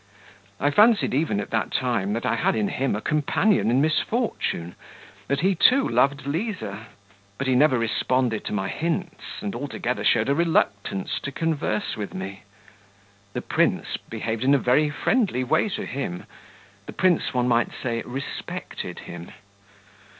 I fancied even at that time that I had in him a companion in misfortune that he too loved Liza. But he never responded to my hints, and altogether showed a reluctance to converse with me. The prince behaved in a very friendly way to him; the prince, one might say, respected him.